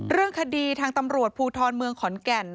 เรื่องคดีทางตำรวจภูทรเมืองขอนแก่น